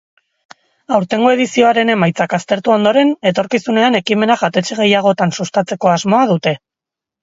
Aurtengo edizioaren emaitzak aztertu ondoren, etorkizunean ekimena jatetxe gehiagotan sustatzeko asmoa dute.